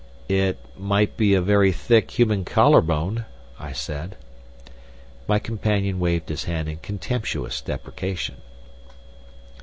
"It might be a very thick human collar bone," I said. My companion waved his hand in contemptuous deprecation.